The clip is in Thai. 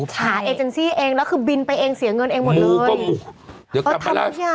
หาเอเจนซี่เองแล้วคือบินไปเองเสียเงินเองหมดเลย